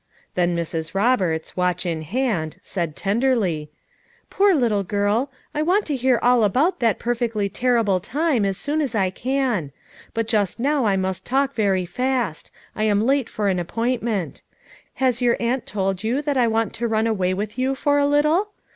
5 ' Then Mrs. Roberts, watch in hand, said ten derly : "Poor little girl! I want to hear all about that ' perfectly terrible time' as soon as I can; but just now I must talk very fast ; I am late for an appointment. Has your aunt told you that I want to run away with you for a little?